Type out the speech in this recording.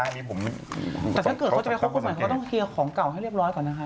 แต่ถ้าเกิดเขาจะไปคบคนใหม่เขาต้องเคลียร์ของเก่าให้เรียบร้อยก่อนนะคะ